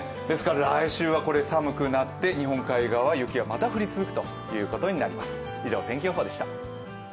ですから来週は寒くなって日本海側は雪がまた降り続くということになります。